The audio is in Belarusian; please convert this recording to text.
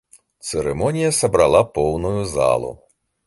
Цырымонія сабрала поўную залу.